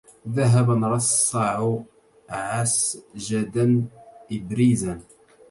ذهباً يرصَّعُ عَسجدا إِبريزا